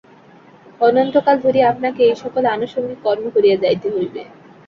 অনন্তকাল ধরিয়া আপনাকে এই-সকল আনুষঙ্গিক কর্ম করিয়া যাইতে হইবে।